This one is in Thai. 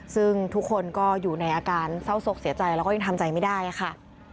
ซึ่งทุกคนก็อยู่ในอาการเศร้าศกเสียใจแล้วก็ยังทำใจไม่ได้ค่ะ